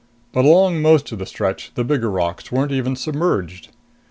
But along most of the stretch the bigger rocks weren't even submerged.